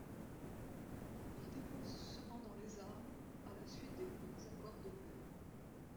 Il dépose cependant les armes à la suite des nouveaux accords de paix.